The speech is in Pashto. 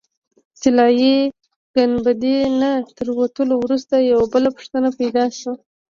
طلایي ګنبدې نه تر وتلو وروسته یوه بله پوښتنه پیدا شوه.